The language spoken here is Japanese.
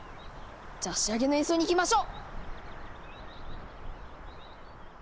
じゃあ仕上げの演奏にいきましょう！